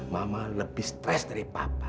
mama lebih stres dari papa